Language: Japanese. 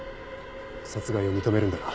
殺害を認めるんだな？